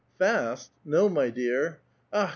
^^Fast? No, my dear. Akh!